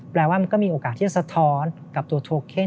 แปลว่ามันก็มีโอกาสที่จะสะท้อนกับตัวโทเคน